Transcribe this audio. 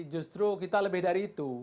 justru kita lebih dari itu